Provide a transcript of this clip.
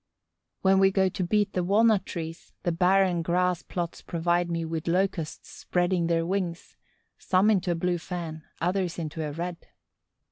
When we go to beat the walnut trees, the barren grass plots provide me with Locusts spreading their wings, some into a blue fan, others into a red.